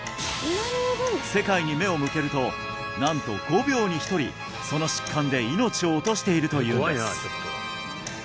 世界に目を向けるとなんと５秒に１人その疾患で命を落としているというんです！